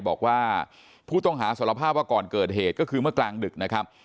บอกว่าผู้ต้องหาสารภาพว่าก่อนเกิดเหตุก็คือเมื่อกลางดึกนะครับ